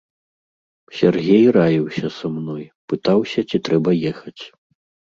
Сяргей раіўся са мной, пытаўся, ці трэба ехаць.